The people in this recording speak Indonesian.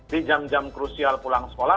di jam jam krusial pulang sekolah